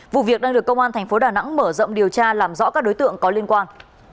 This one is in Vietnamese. vụ việc đang được công an thành phố đà nẵng mở rộng điều tra làm rõ các đối tượng có liên quan